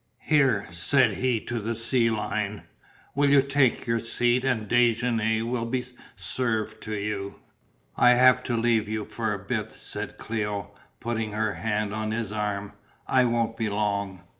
"Here," said he to the sea lion, "will you take your seat and déjeuner will be served to you." "I have to leave you for a bit," said Cléo, putting her hand on his arm, "I won't be long."